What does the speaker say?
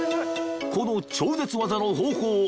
この超絶技の方法